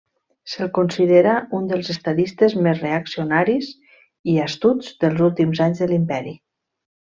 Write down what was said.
Se'l considera un dels estadistes més reaccionaris i astuts dels últims anys de l'imperi.